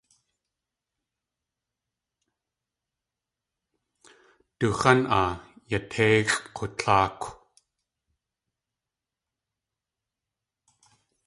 Du xán.aa yatéixʼ k̲utláakw.